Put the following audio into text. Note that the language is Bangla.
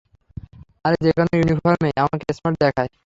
আরে, যেকোন ইউনিফর্মেই আমাকে স্মার্ট দেখায়।